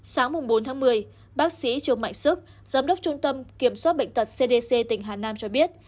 sáng bốn tháng một mươi bác sĩ trương mạnh sức giám đốc trung tâm kiểm soát bệnh tật cdc tỉnh hà nam cho biết